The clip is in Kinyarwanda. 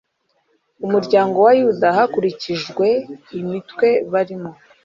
umuryango wa yuda hakurikijwe imitwe barimo